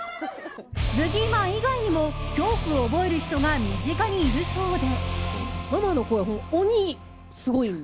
ブギーマン以外にも恐怖を覚える人が身近にいるそうで。